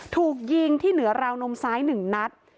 ถูกยิงที่เหนือราวนมซ้าย๑นัด